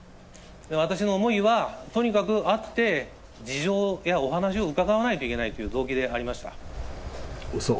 私の思いはとにかく会って、事情やお話を伺わないといけないという動機でありました。